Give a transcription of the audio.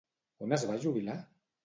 On es va jubilar?